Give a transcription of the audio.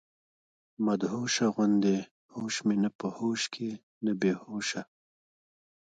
مدهوشه غوندي هوش مي نۀ پۀ هوش کښې نۀ بي هوشه